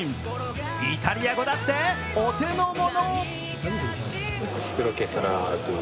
イタリア語だってお手の物。